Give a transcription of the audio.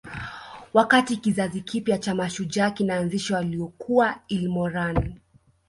Wakati kizazi kipya cha mashujaa kinaanzishwa waliokuwa Ilmoran